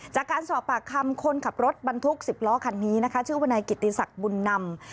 จากการสอบปากคำคนขับรถบรรทุก๑๐ล้อคันนี้นะคะชื่อวนายกิติศักดิ์บุญนำ